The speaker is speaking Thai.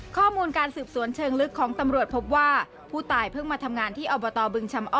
ข้อมูลการสืบสวนเชิงลึกของตำรวจพบว่าผู้ตายเพิ่งมาทำงานที่อบตบึงชำอ้อ